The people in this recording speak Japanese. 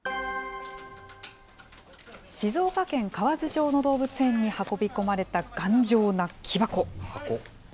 静岡県河津町の動物園に運び込まれた頑丈な木箱。